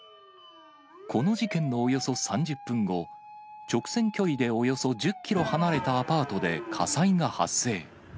この事件のおよそ３０分後、直線距離でおよそ１０キロ離れたアパートで火災が発生。